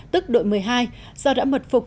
tức đội một mươi hai do đã mật phục